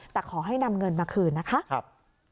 แต่ขอให้นำเงินมาคืนนะคะครับครับ